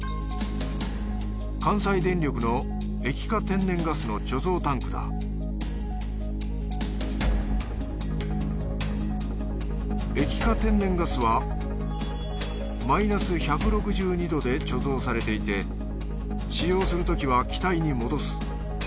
関西電力の液化天然ガスの貯蔵タンクだ液化天然ガスはマイナス１６２℃で貯蔵されていて使用するときは気体に戻す。